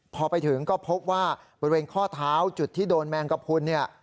พอไปถึงก็พบว่าบริเวณข้อเท้าจุดที่โดนแมงกระพุนเนี่ย